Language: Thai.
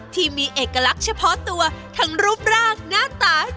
ที่มีเอกลักษณ์เฉพาะตัวทั้งรูปร่างหน้าตา